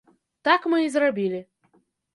Так мы і зрабілі.